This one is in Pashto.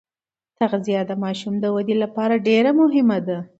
تغذیه د ماشوم د ودې لپاره ډېره مهمه ده.